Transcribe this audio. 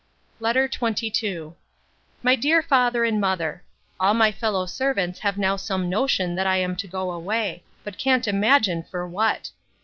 LETTER XXII MY DEAR FATHER AND MOTHER, All my fellow servants have now some notion that I am to go away; but can't imagine for what.